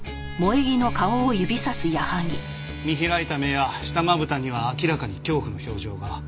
見開いた目や下まぶたには明らかに恐怖の表情が。